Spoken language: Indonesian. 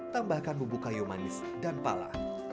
tambahkan bumbu kayu manis dan pala